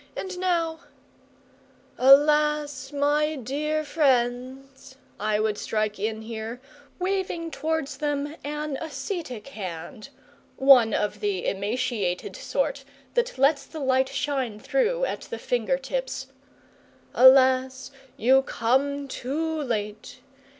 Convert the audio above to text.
And now " "Alas, my dear friends," I would strike in here, waving towards them an ascetic hand one of the emaciated sort, that lets the light shine through at the finger tips "Alas, you come too late!